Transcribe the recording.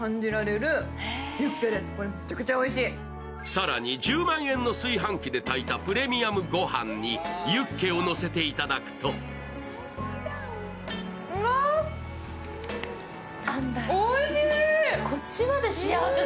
更に１０万円の炊飯器で炊いたｐｒｅｍｉｕｍごはんにユッケをのせて、いただくとわっ、おいしい。